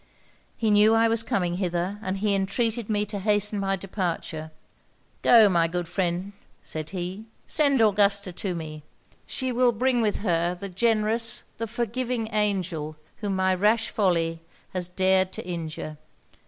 'He knew I was coming hither, and he entreated me to hasten my departure. "Go, my good friend," said he "send Augusta to me. She will bring with her the generous, the forgiving angel, whom my rash folly has dared to injure!